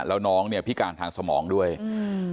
แล้วน้องเนี้ยพิการทางสมองด้วยอืม